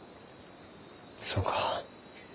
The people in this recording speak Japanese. そうか。